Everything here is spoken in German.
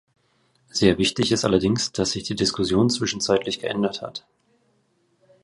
Sehr wichtig ist allerdings, dass sich die Diskussion zwischenzeitlich geändert hat.